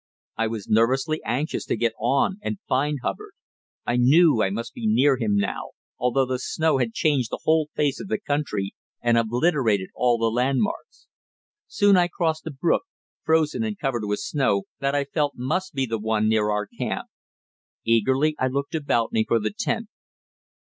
I was nervously anxious to get on and find Hubbard. I knew I must be near him now, although the snow had changed the whole face of the country and obliterated all the landmarks. Soon I crossed a brook, frozen and covered with snow, that I felt must be the one near our camp. Eagerly I looked about me for the tent.